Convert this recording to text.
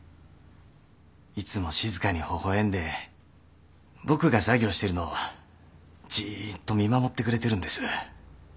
いつも静かにほほ笑んで僕が作業してるのをじーっと見守ってくれてるんです。